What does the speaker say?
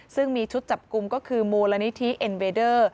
ซึ่งมีชุดจับกลุ่มก็คือมูลนิธิเอ็นเวเดอร์